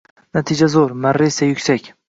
Natija zo‘r, marra esa yuksak